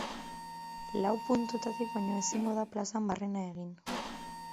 Lau puntutatik baino ezingo da plazan barrena egin.